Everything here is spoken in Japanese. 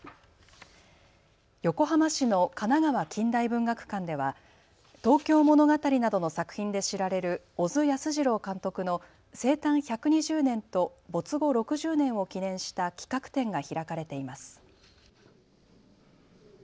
横浜市の神奈川近代文学館では東京物語などの作品で知られる小津安二郎監督の生誕１２０年と没後６０年を記念した企画展が開かれています。